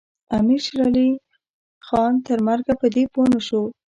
امیر شېرعلي خان تر مرګه په دې پوه نه شو.